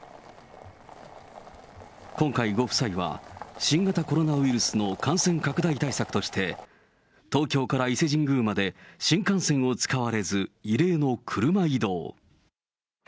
今回、ご夫妻は、新型コロナウイルスの感染拡大対策として、東京から伊勢神宮まで新幹線を使われず、異例の車移動。